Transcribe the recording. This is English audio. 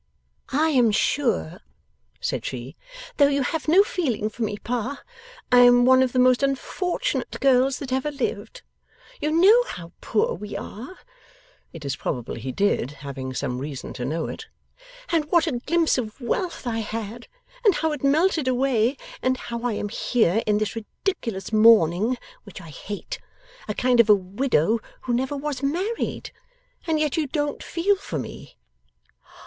'I am sure,' said she, 'though you have no feeling for me, pa, I am one of the most unfortunate girls that ever lived. You know how poor we are' (it is probable he did, having some reason to know it!), 'and what a glimpse of wealth I had, and how it melted away, and how I am here in this ridiculous mourning which I hate! a kind of a widow who never was married. And yet you don't feel for me.